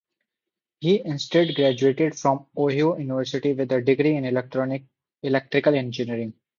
He instead graduated from Ohio University with a degree in electrical engineering.